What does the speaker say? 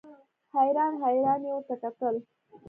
حیران حیران یې ورته کتل.